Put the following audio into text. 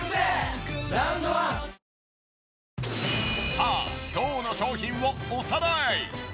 さあ今日の商品をおさらい。